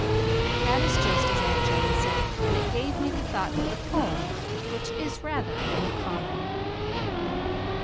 That is just as Aunt Jane said it, and it gave me the thought for the poem which is rather uncommon.